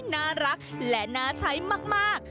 น่ารักและน่าใช้มาก